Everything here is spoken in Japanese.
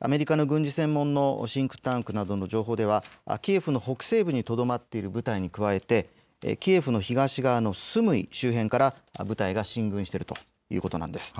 アメリカの軍事専門のシンクタンクなどの情報ではキエフの北西部にとどまっている部隊に加えて、キエフの東側のスムイ周辺から部隊が進軍しているということなんです。